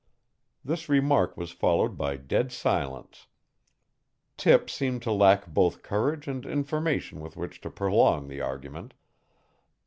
This remark was followed by dead silence. Tip seemed to lack both courage and information with which to prolong the argument.